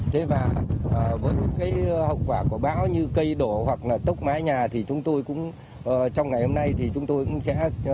thế và với cái hậu quả của bão như cây đổ hoặc là tốc mái nhà thì chúng tôi cũng trong ngày hôm nay thì chúng tôi cũng sẽ